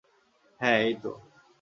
হ্যাঁ, এইতো!